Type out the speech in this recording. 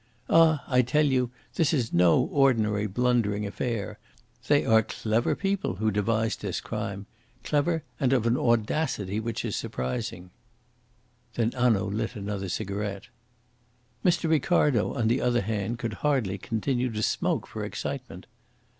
Ah! I tell you this is no ordinary blundering affair. They are clever people who devised this crime clever, and of an audacity which is surprising." Then Hanaud lit another cigarette. Mr. Ricardo, on the other hand, could hardly continue to smoke for excitement.